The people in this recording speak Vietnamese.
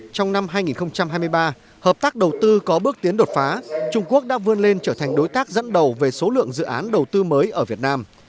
trong năm hai nghìn hai mươi ba hợp tác đầu tư có bước tiến đột phá trung quốc đã vươn lên trở thành đối tác dẫn đầu về số lượng dự án đầu tư mới ở việt nam